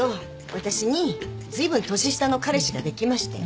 私にずいぶん年下の彼氏ができまして。